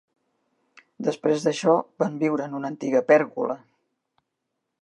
Després d'això, van viure en una antiga pèrgola.